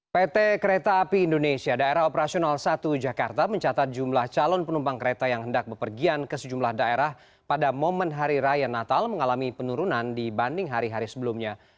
pt kereta api indonesia daerah operasional satu jakarta mencatat jumlah calon penumpang kereta yang hendak bepergian ke sejumlah daerah pada momen hari raya natal mengalami penurunan dibanding hari hari sebelumnya